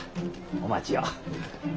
お待ちを。